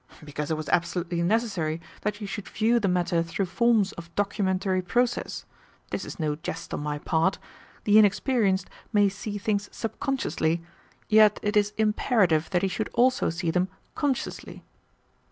"Because it was absolutely necessary that you should view the matter through forms of documentary process. This is no jest on my part. The inexperienced may see things subconsciously, yet it is imperative that he should also see them CONSCIOUSLY."